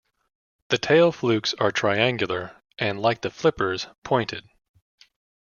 The tail flukes are triangular and, like the flippers, pointed.